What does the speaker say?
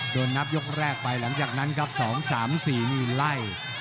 โดนนับยกแรกไปหลังจากนั้นครับ๒๓๔นี่ไล่